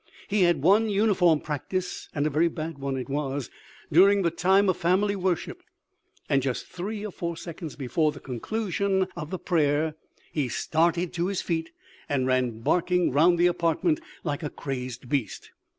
He had one uniform practice, and a very bad one it was; during the time of family worship, and just three or four seconds before the conclusion of the prayer, he started to his feet and ran barking round the apartment like a crazed beast.